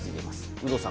有働さん